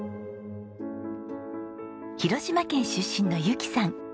広島県出身のゆきさん。